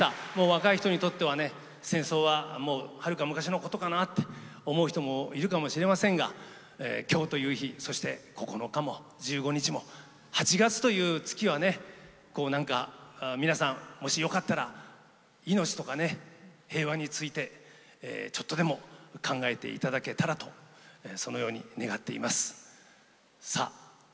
若い人にとっては、戦争ははるか昔のことかなって思う人もいるかもしれませんが今日という日、そして９日も１５日も、８月という月は皆さん、もしよかったら命とかね、平和についてちょっとでも考えていただけたらとそのように願っています。